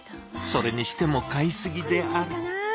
それにしても買いすぎである。